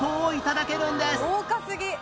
豪華すぎ！